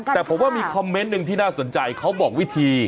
แต่ผมว่ามีคอมเมนต์หนึ่งที่น่าสนใจเขาบอกวิธี